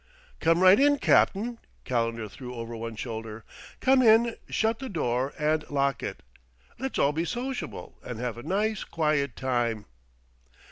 "Come right in, Cap'n," Calendar threw over one shoulder; "come in, shut the door and lock it. Let's all be sociable, and have a nice quiet time."